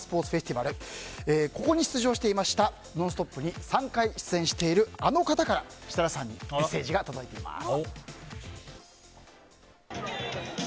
ここに出場していました「ノンストップ！」に３回出演している、あの方から設楽さんにメッセージが届いています。